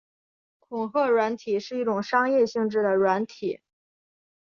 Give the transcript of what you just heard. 恐吓软体是一种商业性质的软体。